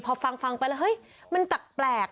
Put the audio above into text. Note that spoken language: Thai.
พอฟังไปแล้วเฮ้ยมันแปลก